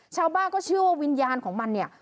ชาวบ้านก็เชื่อว่าวิญญาณของมันเนี่ย